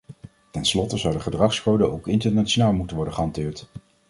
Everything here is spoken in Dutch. Ten slotte zou de gedragscode ook internationaal moeten worden gehanteerd.